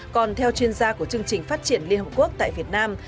còn theo chuyên gia của chương trình phát triển liên hợp quốc tại việt nam